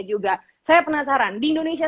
juga saya penasaran di indonesia